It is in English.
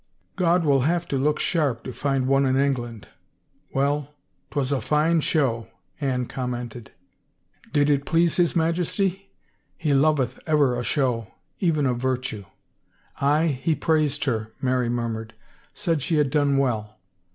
" God will have to look sharp to find one in England. ... Well, 'twas a fine show," Anne commented. " Did 306 RUMORS it please his Majesty ? He loveth ever a show — even pf virtue/* " Aye, he praised her/* Mary murmured ;" said she had done well."